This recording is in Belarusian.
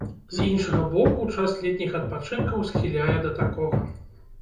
З іншага боку, час летніх адпачынкаў схіляе да такога.